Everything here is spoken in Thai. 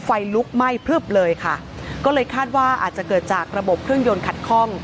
ไฟลุกไหม้พลึบเลยค่ะก็เลยคาดว่าอาจจะเกิดจากระบบเครื่องยนต์ขัดคล่อง